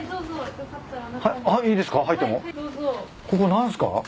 ここ何すか？